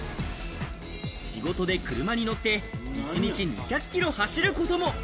仕事で車に乗って１日２００キロ走ることも。